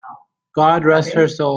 God rest her soul!